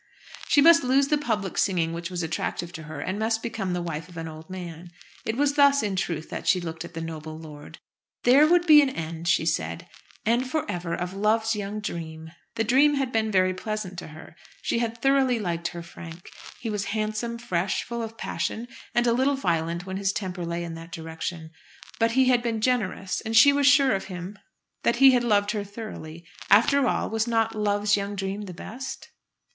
She must lose the public singing which was attractive to her, and must become the wife of an old man. It was thus in truth that she looked at the noble lord. "There would be an end," she said, "and for ever, of 'Love's young dream.'" The dream had been very pleasant to her. She had thoroughly liked her Frank. He was handsome, fresh, full of passion, and a little violent when his temper lay in that direction. But he had been generous, and she was sure of him that he had loved her thoroughly. After all, was not "Love's young dream" the best?